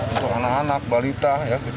untuk anak anak balita